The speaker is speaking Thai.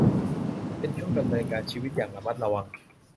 เป็นช่วงดำเนินชีวิตอย่างระมัดระวัง